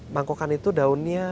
mangkokan itu daunnya